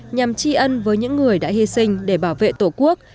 nhằm tri ân với những người đã hy sinh để bảo vệ tổ quốc